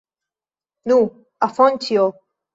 Nu, Afonĉjo!